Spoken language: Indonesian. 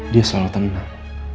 dia selalu tenang